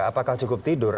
apakah cukup tidur